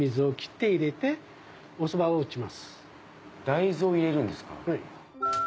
大豆を入れるんですか？